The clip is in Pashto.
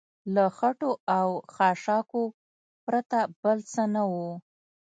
له خټو او خاشاکو پرته بل څه نه و.